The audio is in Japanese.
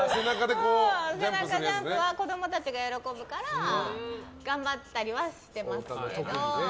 子供たちが喜ぶから頑張ったりはしてますけど。